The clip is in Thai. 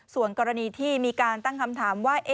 ส่วนกรณีที่มีการตั้งคำถามว่า